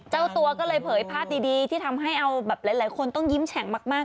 เจ้าตัวก็เลยเผยภาพดีที่ทำให้เอาแบบหลายคนต้องยิ้มแฉ่งมาก